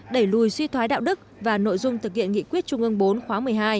đẩy lùi suy thoái đạo đức và nội dung thực hiện nghị quyết trung ương bốn khóa một mươi hai